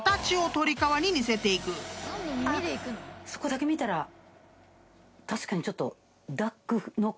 あっそこだけ見たら確かにちょっと。